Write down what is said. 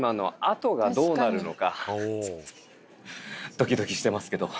ドキドキしてますけど。